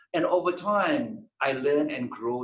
dan sepanjang waktu saya belajar dan membesarkan kemahiran